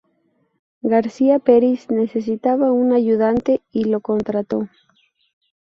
García Peris necesitaba un ayudante y lo contrató.